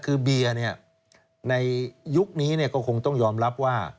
คือเบียร์ในยุคนี้ก็คงต้องยอมรับว่า